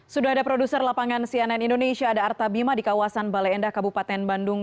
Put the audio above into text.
sudah ada produser lapangan cnn indonesia ada artabima di kawasan bale endah kabupaten bandung